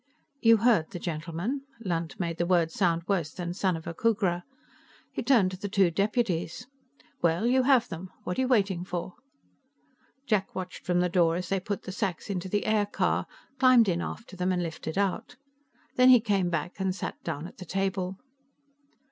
"You heard the gentleman." Lunt made the word sound worse than son of a Khooghra. He turned to the two deputies. "Well, you have them; what are you waiting for?" Jack watched from the door as they put the sacks into the aircar, climbed in after them and lifted out. Then he came back and sat down at the table.